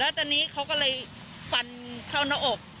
และจนนี้เขาก็เลยฟันฟันเข้าหน้าอก